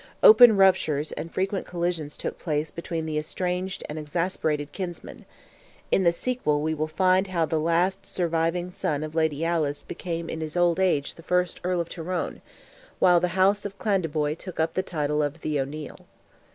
Open ruptures and frequent collisions took place between the estranged and exasperated kinsmen; in the sequel we will find how the last surviving son of Lady Alice became in his old age the first Earl of Tyrone, while the House of Clandeboy took up the title of "the O'Neil."